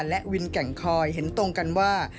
และวินแก่งคอยเห็นตรงกันว่า